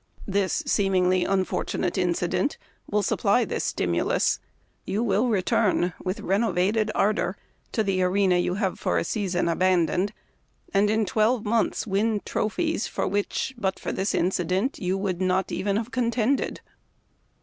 This seemingly unfortunate incident will supply this stimulus — you will return with renovated ardor to the arena you have for a season abandoned, and in twelve months win trophies for which, but for this incident, you would not even have con tended."